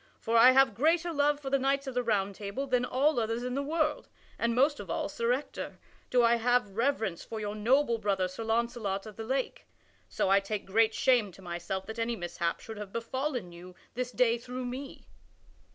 For I have greater love for the knights of the Round Table than all others in the world, and most of all, Sir Ector, do I have reverence for your noble brother Sir Launcelot of the Lake. So I take great shame to myself that any mishap should have befallen you this day through me."